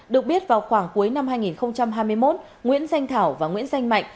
được biết vào khoảng cuối năm hai nghìn hai mươi một nguyễn danh thảo và nguyễn danh mạnh